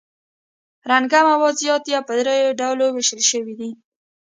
رنګه مواد زیات دي او په دریو ډولو ویشل شوي دي.